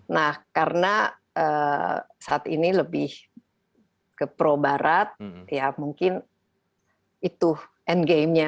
nah karena saat ini lebih ke pro barat ya mungkin itu endgame nya